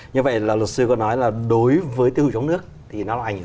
như vậy là luật sư có nói là đối với tiêu hủy trong nước thì nó là ảnh hưởng